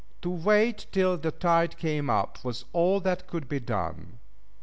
To wait till the tide came up was all that could be done.